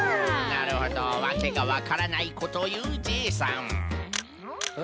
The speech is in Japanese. なるほどわけがわからないことをいうジェイさん。